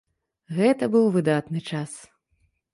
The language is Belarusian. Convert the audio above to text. Гэта быў выдатны час.